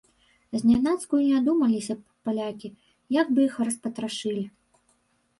Знянацку і не адумаліся б палякі, як бы іх распатрашылі!